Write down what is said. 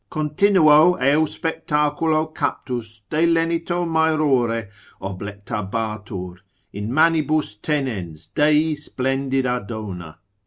Continuo eo spectaculo captus delenito maerore Oblectabatur, in manibus tenens dei splendida dona.